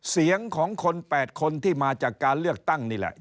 เสียงของคน๘คนที่มาจากการเลือกตั้งนี่แหละ